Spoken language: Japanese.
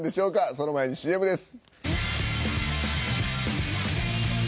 その前にＣＭです。